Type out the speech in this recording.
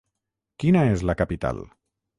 Quina és la capital?